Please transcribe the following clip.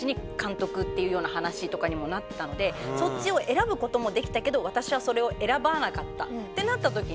それこそそっちを選ぶこともできたけど私はそれを選ばなかったってなった時に